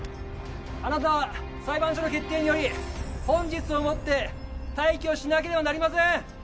あなたは裁判所の決定により本日をもって退去しなければなりません！